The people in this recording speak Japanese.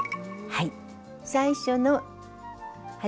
はい。